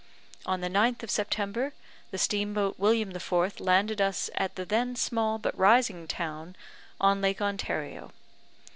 On the 9th of September, the steam boat William IV. landed us at the then small but rising town of , on Lake Ontario.